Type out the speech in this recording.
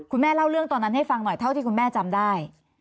เล่าเรื่องตอนนั้นให้ฟังหน่อยเท่าที่คุณแม่จำได้